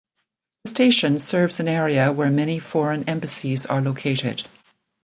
The station serves an area where many foreign embassies are located.